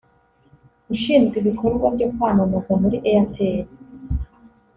Ushinzwe ibikorwa byo kwamamaza muri Airtel